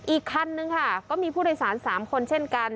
อีกคันนึงค่ะก็มีผู้โดยสาร๓คนเช่นกัน